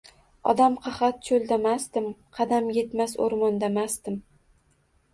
Odamqahat choʻldamasdim, qadam yetmas oʻrmondamasdim